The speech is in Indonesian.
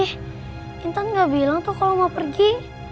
eh intan gak bilang tuh kalau mau pergi